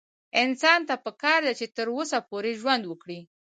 انسان ته پکار ده چې تر وسه پورې ژوند وکړي